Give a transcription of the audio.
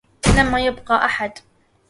لم يبقى أحد